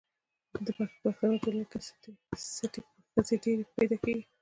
په پښتنو ټولنو کي ستۍ ښځي ډیري پیدا کیږي